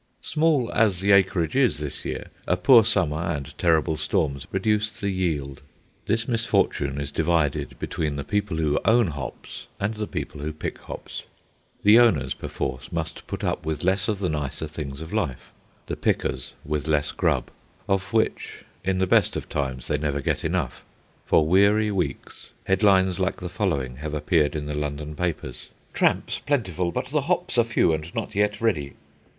Small as the acreage is this year, a poor summer and terrible storms reduced the yield. This misfortune is divided between the people who own hops and the people who pick hops. The owners perforce must put up with less of the nicer things of life, the pickers with less grub, of which, in the best of times, they never get enough. For weary weeks headlines like the following have appeared in the London papers.— TRAMPS PLENTIFUL, BUT THE HOPS ARE FEW AND NOT YET READY.